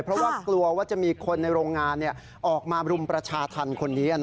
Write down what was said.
เพราะว่ากลัวว่าจะมีคนในโรงงานออกมารุมประชาธรรมคนนี้